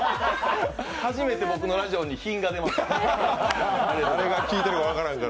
初めて僕のラジオに品が出ました。